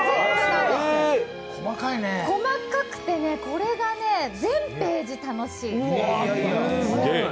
細かくて、これが全ページ楽しい。